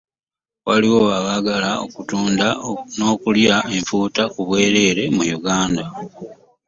Waliwo abaagala okutunda n'okulya empuuta ku bwereere mu Uganda.